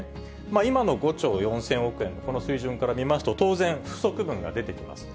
今の５兆４０００億円、この水準から見ますと、当然、不足分が出てきます。